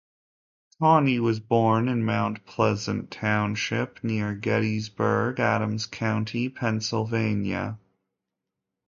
Tawney was born in Mount Pleasant Township, near Gettysburg, Adams County, Pennsylvania.